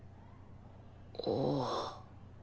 ああ。